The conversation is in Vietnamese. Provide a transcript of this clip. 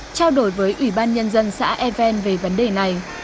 trao đổi với ủy ban nhân dân xã e ven về vấn đề này